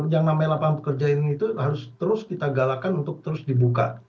yang namanya lapangan kerja ini itu harus terus kita galakan untuk terus dibuka